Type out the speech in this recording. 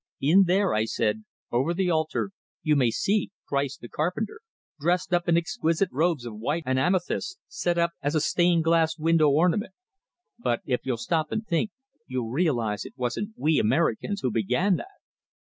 "In there," I said, "over the altar, you may see Christ, the carpenter, dressed up in exquisite robes of white and amethyst, set up as a stained glass window ornament. But if you'll stop and think, you'll realize it wasn't we Americans who began that!"